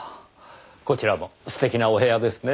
こちらも素敵なお部屋ですね。